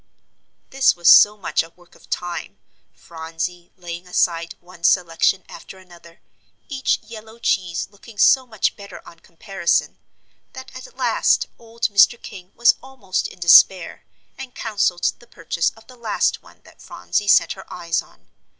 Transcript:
This was so much a work of time, Phronsie laying aside one selection after another, each yellow cheese looking so much better on comparison, that at last old Mr. King was almost in despair, and counselled the purchase of the last one that Phronsie set her eyes on.